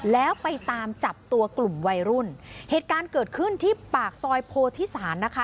แล้วไปตามจับตัวกลุ่มวัยรุ่นเหตุการณ์เกิดขึ้นที่ปากซอยโพธิศาลนะคะ